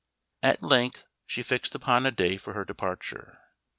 At length she fixed upon a day for her departure.